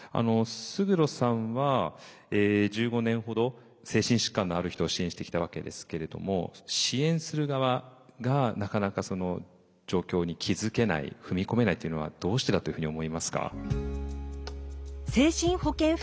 勝呂さんは１５年ほど精神疾患のある人を支援してきたわけですけれども支援する側がなかなか状況に気づけない踏み込めないっていうのはどうしてだというふうに思いますか？